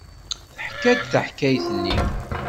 Teḥka-d taḥkayt-nni.